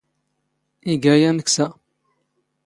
ⵉⴳⴰ ⴰⵎⴽⵙⴰ.